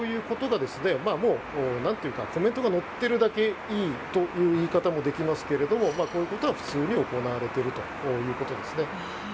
コメントが載っているだけいいという言い方もできますがこういうことは普通に行われているということです。